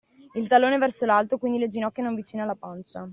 Il tallone verso l’alto, quindi le ginocchia non vicine alla pancia.